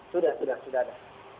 sudah sudah sudah ada